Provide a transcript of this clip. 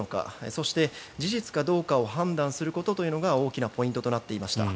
そして事実かどうかを判断することというのが大きなポイントとなっていました。